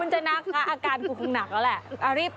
จะนักแล้วอาการคุณคงหนักแล้วแหละ